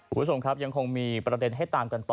คุณผู้ชมครับยังคงมีประเด็นให้ตามกันต่อ